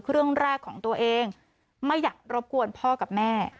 เครื่องแรกของตัวเองไม่อยากรบกวนพ่อกับแม่